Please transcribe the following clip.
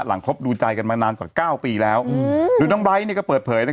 หลังครบดูใจกันมานานกว่าเก้าปีแล้วอืมหรือน้องไบร์ทเนี่ยก็เปิดเผยนะครับ